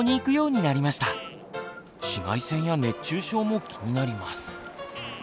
紫外線や熱中症も気になります。